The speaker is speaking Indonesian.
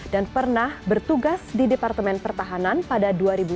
dan pernah bertugas di departemen pertahanan pada dua ribu satu